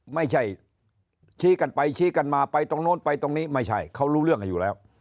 ไม่ใช่ชี้กันไปชี้กันมาไปตรงโน้นไปตรงนี้ไม่ใช่เขารู้เรื่องกันอยู่แล้ว